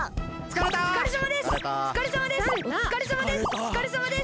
おつかれさまです！